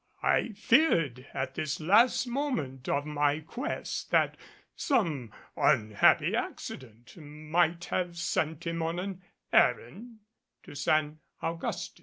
I feared at this last moment of my quest that some unhappy accident might have sent him on an errand to San Augustin.